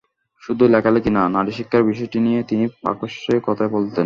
শুধু লেখালেখি না, নারীশিক্ষার বিষয়টি নিয়ে তিনি প্রকাশ্যেই কথা বলতেন।